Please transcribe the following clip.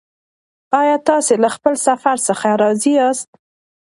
ایا تاسې له خپل سفر څخه راضي یاست؟